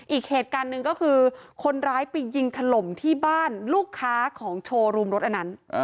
อีกเหตุการณ์หนึ่งก็คือคนร้ายไปยิงถล่มที่บ้านลูกค้าของโชว์รูมรถอันนั้น